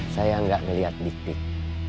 saya gak ngeliat dikit